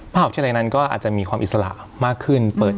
มหาวิทยาลัยนั้นก็อาจจะมีความอิสระมากขึ้น